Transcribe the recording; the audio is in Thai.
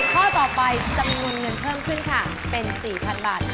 ข้อต่อไปจะมีเงินเพิ่มขึ้นค่ะเป็น๔๐๐๐บาท